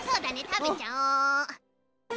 たべちゃおう。